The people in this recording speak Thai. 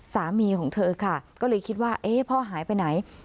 สามีของเธอค่ะก็เลยคิดว่าเอ๊ะพ่อหายไปไหน